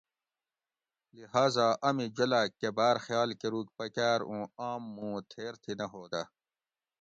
لہذا امی جولاگ کہ باۤر خیال کۤروگ پکار اوں آم موں تھیر تھی نہ ہودہ